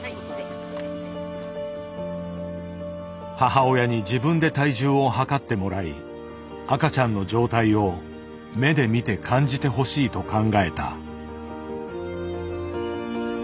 母親に自分で体重をはかってもらい赤ちゃんの状態を目で見て感じてほしいと考えた。